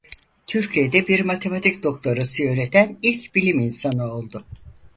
Türkiye'de bir matematik doktorası yöneten ilk bilim insanı oldu.